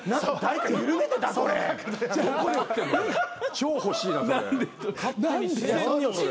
超欲しいなそれ。